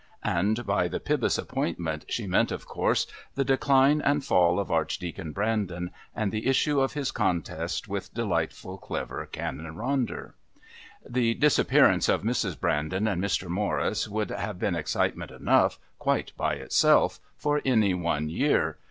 And by the Pybus appointment she meant, of course, the Decline and Fall of Archdeacon Brandon, and the issue of his contest with delightful, clever Canon Ronder. The disappearance of Mrs. Brandon and Mr. Morris would have been excitement enough quite by itself for any one year.